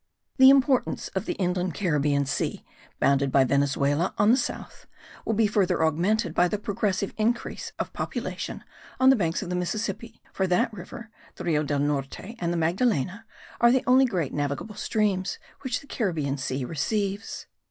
The importance of the inland Caribbean Sea, bounded by Venezuela on the south, will be further augmented by the progressive increase of population on the banks of the Mississippi; for that river, the Rio del Norte and the Magdalena are the only great navigable streams which the Caribbean Sea receives.